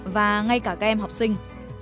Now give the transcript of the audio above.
và ngay cả các em học sinh